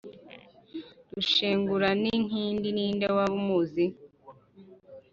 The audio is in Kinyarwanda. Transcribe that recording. Rushenguraninkindi ninde waba umuzi